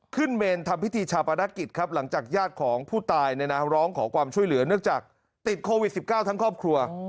เมนทำพิธีชาปนกิจครับหลังจากญาติของผู้ตายร้องขอความช่วยเหลือเนื่องจากติดโควิด๑๙ทั้งครอบครัว